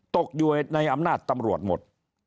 ตกอยู่ในอำนาจตำรวจหมด